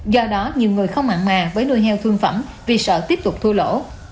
do đó nhiều người không mặn mà với nuôi heo thương phẩm vì sợ tiếp tục thua lỗ